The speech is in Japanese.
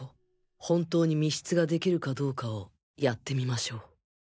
本当に密室ができるかどうかをやってみましょう。